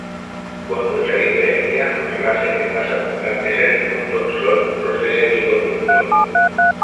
Con mucha diferencia, los láseres más abundantes en el mundo son los de semiconductor.